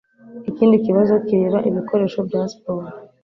Ikindi kibazo kireba ibikoresho bya siporo